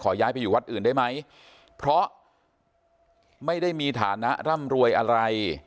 ย้ายไปอยู่วัดอื่นได้ไหมเพราะไม่ได้มีฐานะร่ำรวยอะไร